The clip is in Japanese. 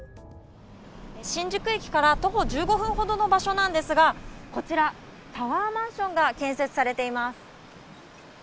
新宿駅から徒歩１５分ほどの場所なんですが、こちら、タワーマンションが建設されています。